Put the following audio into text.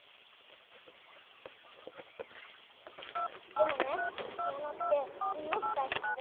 でもねピアノってすごくたいへんで。